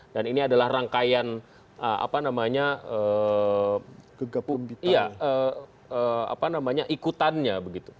dan ini adalah rangkaian apa namanya ikutannya